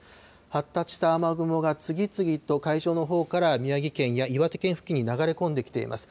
発達した雨雲が次々と海上のほうから宮城県や岩手県付近に流れ込んできています。